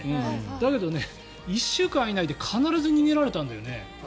だけど１週間以内で必ず逃げられたんだよね。